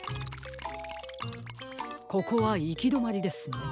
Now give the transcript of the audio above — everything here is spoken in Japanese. ここはいきどまりですね。